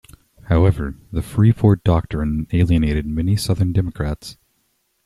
However, the Freeport Doctrine alienated many Southern Democrats.